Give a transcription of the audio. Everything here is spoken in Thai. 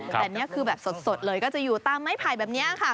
แต่นี่คือแบบสดเลยก็จะอยู่ตามไม้ไผ่แบบนี้ค่ะ